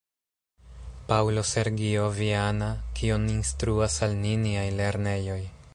Paŭlo Sergio Viana, "Kion instruas al ni niaj lernejoj?